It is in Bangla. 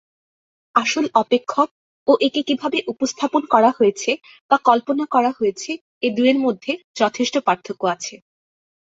আসল "অপেক্ষক" ও একে কীভাবে উপস্থাপন করা হয়েছে বা কল্পনা করা হয়েছে, এ দুইয়ের মধ্যে যথেষ্ট পার্থক্য আছে।